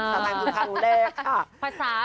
ภาษาอังกฤษคือครั้งแรกค่ะ